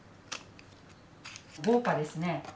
豪華ですね。